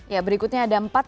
ya berikutnya ada empat